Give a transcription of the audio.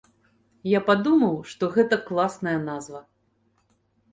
Я падумаў, што гэта класная назва.